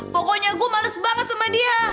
pokoknya gue males banget sama dia